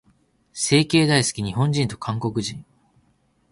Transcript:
整形大好き、日本人と韓国人。